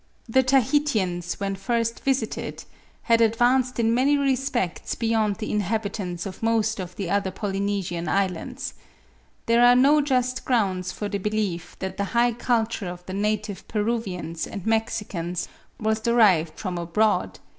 The Tahitians when first visited had advanced in many respects beyond the inhabitants of most of the other Polynesian islands. There are no just grounds for the belief that the high culture of the native Peruvians and Mexicans was derived from abroad (37.